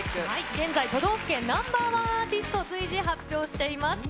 現在、都道府県Ｎｏ．１アーティスト、随時発表しています。